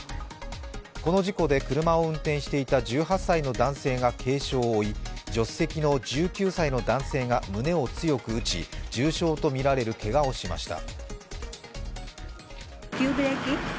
この事故で車を運転していた１８歳の男性が軽傷を負い助手席の１９歳の男性が胸を強く打ち重傷とみられるけがをしました。